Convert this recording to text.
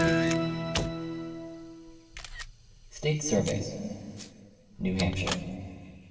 109 State Surveys. Neiv Hampshire.